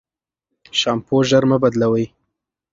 شامپو ژر مه بدلوی.